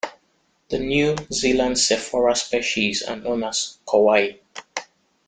The New Zealand "Sophora" species are known as Kowhai.